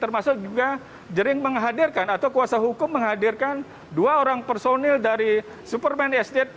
termasuk juga jering menghadirkan atau kuasa hukum menghadirkan dua orang personil dari superman estate